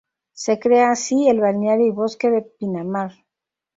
Se crea así el Balneario y Bosque de Pinamar.